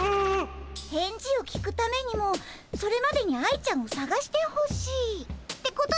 返事を聞くためにもそれまでに愛ちゃんをさがしてほしいってことだね？